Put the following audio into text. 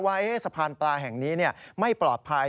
ว่าสะพานปลาแห่งนี้ไม่ปลอดภัย